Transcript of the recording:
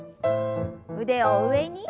腕を上に。